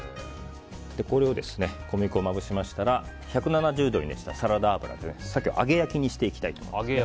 これを小麦粉をまぶしましたら１７０度に熱したサラダ油で鮭を揚げ焼きにしていきたいと思います。